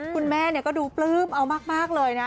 คุณแม่ก็ดูปลื้มเอามากเลยนะ